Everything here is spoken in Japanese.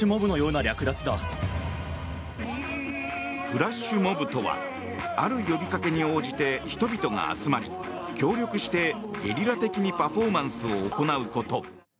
フラッシュモブとはある呼びかけに応じて人々が集まり、協力してゲリラ的にパフォーマンスを行うこと。